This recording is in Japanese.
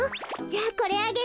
じゃあこれあげる。